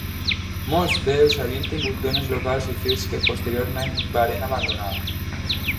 Molts d'ells havien tingut dones locals i fills que posteriorment varen abandonar.